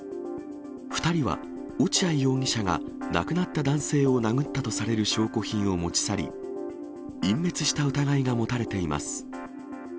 ２人は落合容疑者が亡くなった男性を殴ったとされる証拠品を持ち去り、隠滅した疑いが持たれています。